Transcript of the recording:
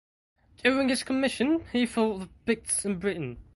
During his commission he fought the Picts in Britain.